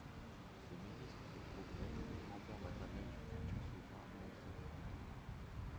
Ce ministre se trouve être le grand-père maternel du futur souverain Moncef Bey.